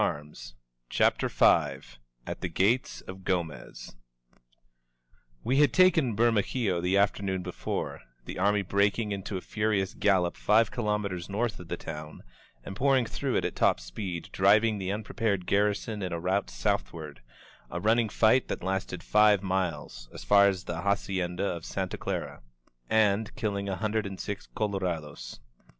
••• CHAPTER V AT THE GATES OF GOMEZ WE had taken Bermejillo the afternoon before, — the army breaking into a furious gallop five kilometers north of the town and pour ing through it at top speed, driving the unprepared garrison in a rout southward, — ^a running fight that lasted five miles, as far as the Hacienda of Santa Clara, — and killing a hundred and six colorados.